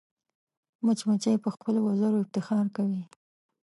مچمچۍ په خپلو وزرو افتخار کوي